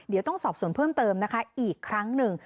เดี๋ยวต้องสอบส่วนเพิ่มเติมนะคะอีกครั้งหนึ่ง